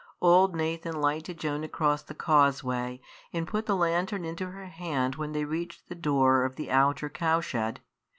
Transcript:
Old Nathan lighted Joan across the causeway and put the lantern into her hand when they reached the door of the outer cow shed.